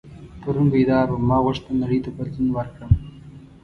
پرون بیدار وم ما غوښتل نړۍ ته بدلون ورکړم.